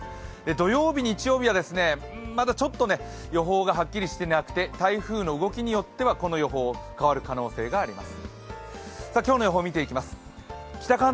土曜日、日曜日はまだちょっと予報がはっきりしていなくて台風の動きによってはこの予報、変わる可能性があります。